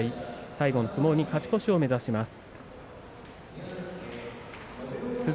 最後の相撲に勝ち越しを目指します。